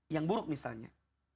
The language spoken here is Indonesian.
yang buruk misalnya